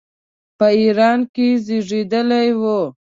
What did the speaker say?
په ایران کې زېږېدلی وو.